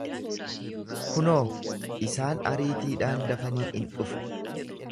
Kunoo, isaan ariitiidhaan dafanii in dhufu.